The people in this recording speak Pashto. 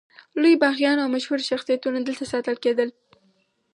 لوی باغیان او مشهور شخصیتونه دلته ساتل کېدل.